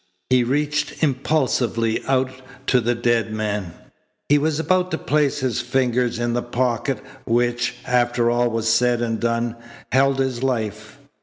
He reached impulsively out to the dead man. He was about to place his fingers in the pocket, which, after all was said and done, held his life.